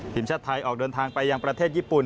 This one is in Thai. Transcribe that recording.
ทีมชาติไทยออกเดินทางไปยังประเทศญี่ปุ่น